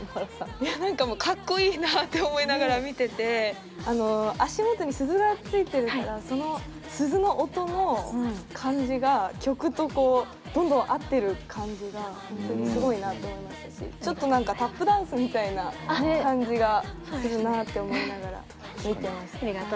いや何かもうかっこいいなって思いながら見てて足元に鈴が付いてるからその鈴の音の感じが曲とこうどんどん合ってる感じがほんとにすごいなって思いましたしちょっと何かタップダンスみたいな感じがするなあって思いながら見てました。